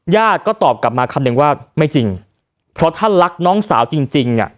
ญาติก็ตอบกลับมาคำนึงว่าไม่จริงเพราะถ้ารักน้องสาวจริงจริงเนี่ย